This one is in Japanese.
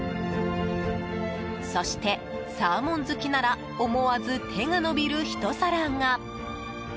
そして、サーモン好きなら思わず手が伸びる、ひと皿が。